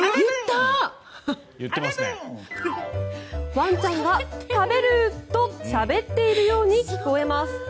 ワンちゃんが「食べる」としゃべっているように聞こえます。